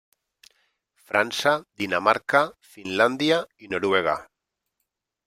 França, Dinamarca, Finlàndia i Noruega.